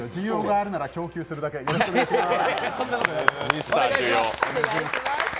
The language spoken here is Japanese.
需要があるなら供給するだけで、お願いしまーす。